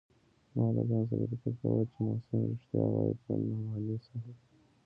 ما له ځان سره فکر کاوه چې محسن رښتيا وايي که نعماني صاحب.